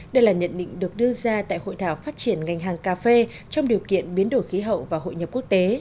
đây là nhận định được đưa ra tại hội thảo phát triển ngành hàng cà phê trong điều kiện biến đổi khí hậu và hội nhập quốc tế